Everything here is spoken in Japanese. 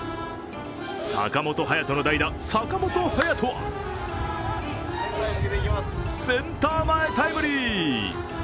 坂本勇人の代打、坂本勇人はセンター前タイムリー。